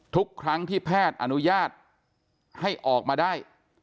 ทุกครั้งที่แพทย์อนุญาตให้ออกมาได้